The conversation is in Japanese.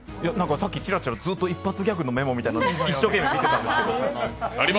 さっき、チラチラ一発ギャグのメモみたいなの一生懸命見てたんです。